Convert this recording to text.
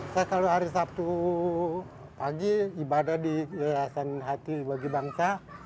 saya selalu hari sabtu pagi ibadah di yayasan hati bagi bangsa